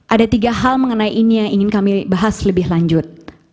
ada tiga hal mengenai ini yang ingin kami bahas lebih lanjut